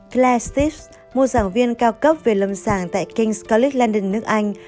claire stips một giảng viên cao cấp về lâm sàng tại king s college london nước anh